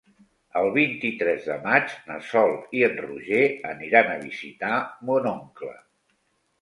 El vint-i-tres de maig na Sol i en Roger aniran a visitar mon oncle.